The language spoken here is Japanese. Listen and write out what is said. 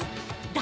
誰？